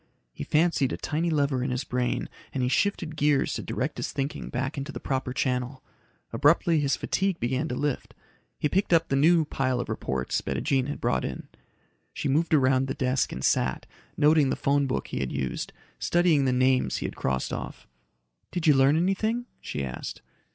He fancied a tiny lever in his brain and he shifted gears to direct his thinking back into the proper channel. Abruptly his fatigue began to lift. He picked up the new pile of reports Bettijean had brought in. She move around the desk and sat, noting the phone book he had used, studying the names he had crossed off. "Did you learn anything?" she asked.